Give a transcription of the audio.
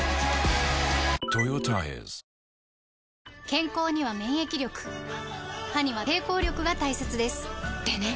健康には免疫力歯には抵抗力が大切ですでね．．．